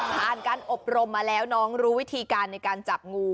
การอบรมมาแล้วน้องรู้วิธีการในการจับงู